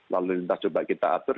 lalu kita coba atur